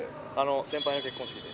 先輩の結婚式で。